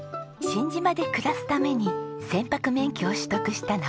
新島で暮らすために船舶免許を取得した直行さん。